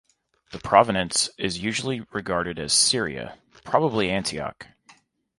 The provenance is usually regarded as Syria, probably Antioch.